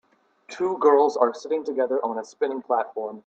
Two girls are sitting together on a spinning platform.